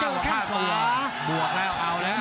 ๕๑๐๐๐๐แล้วเผื่อบวกแล้วเอาละ